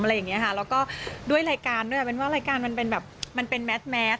แล้วก็ด้วยรายการด้วยรายการมันเป็นแมท